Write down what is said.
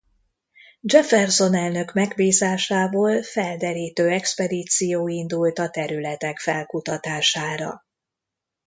Jefferson elnök megbízásából felderítő expedíció indult a területek felkutatására.